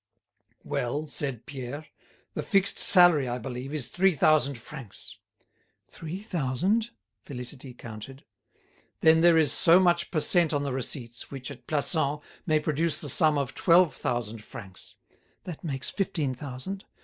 "Well," said Pierre, "the fixed salary, I believe, is three thousand francs." "Three thousand," Félicité counted. "Then there is so much per cent on the receipts, which at Plassans, may produce the sum of twelve thousand francs." "That makes fifteen thousand."